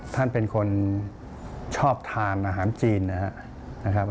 ท่านเป็นคนชอบทานอาหารจีนนะครับ